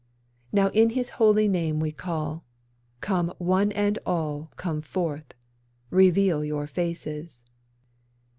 Now in His Holy Name we call: Come one and all Come forth; reveal your faces.